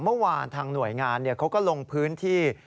เมื่อวานทางหน่วยงานเขาก็ลงพื้นที่